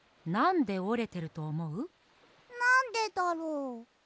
なんでだろう？